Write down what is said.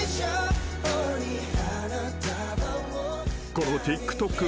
［このＴｉｋＴｏｋ